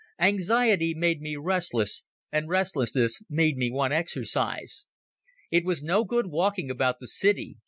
Anxiety made me restless, and restlessness made me want exercise. It was no good walking about the city.